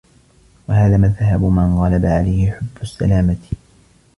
وَهَذَا مَذْهَبُ مَنْ غَلَبَ عَلَيْهِ حُبُّ السَّلَامَةِ